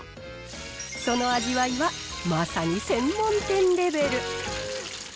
その味わいはまさに専門店レベル。